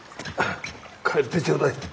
帰ってちょうだい。